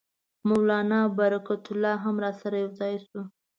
مولنا برکت الله هم راسره یو ځای شو.